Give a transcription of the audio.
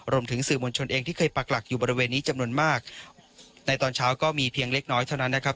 รวมถึงสื่อมวลชนเองที่เคยปักหลักอยู่บริเวณนี้จำนวนมากในตอนเช้าก็มีเพียงเล็กน้อยเท่านั้นนะครับ